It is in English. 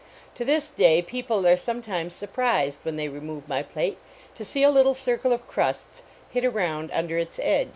To this day people are sometimes sur prised, when they remove my plate, to see a little circle of crusts hid around under its edge.